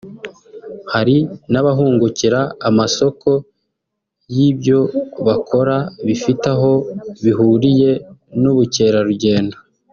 Hari n’abahungukira amasoko y’ibyobakora bifite aho bihuriye n’Ubukerarugendo